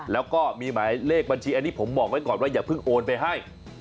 แล้วก็มีหมายเลขบัญชีอันนี้ผมบอกไว้ก่อนว่าอย่าเพิ่งโอนไปให้